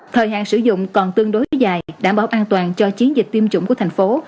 thời hạn sử dụng còn tương đối dài đảm bảo an toàn cho chiến dịch tiêm chủng của thành phố